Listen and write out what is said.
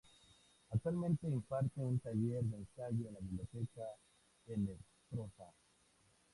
Actualmente imparte un taller de ensayo en la Biblioteca Henestrosa.